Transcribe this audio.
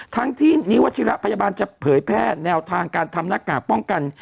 ทั้งที่นิวัชิระพยาบาลจะเผยแพร่แนวทางการทำหน้ากากป้องกัน